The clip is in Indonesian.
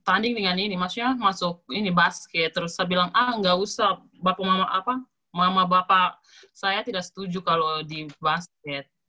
tanding dengan ini maksudnya masuk ini basket terus saya bilang ah nggak usah mama bapak saya tidak setuju kalau di basket